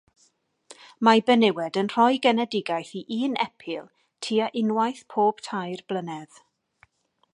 Mae benywod yn rhoi genedigaeth i un epil tua unwaith bob tair blynedd.